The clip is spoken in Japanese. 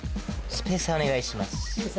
スペーサーお願いします。